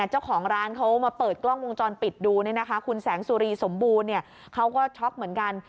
เจ้าของร้านเขามาเปิดกล้องวงจรปิดดูคุณแสงสุรีสมบูรณ์เขาก็ช็อกเหมือนกัน